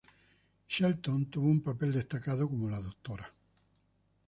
Shelton tuvo un papel destacado como la Dra.